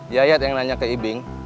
yayat yang nanya ke ibing